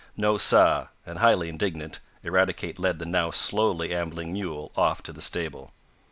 No sah!" and, highly indignant, Eradicate led the now slowly ambling mule off to the stable.